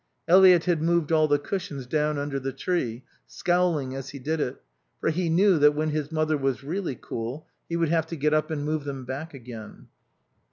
Eliot had moved all the cushions down under the tree, scowling as he did it, for he knew that when his mother was really cool he would have to get up and move them back again.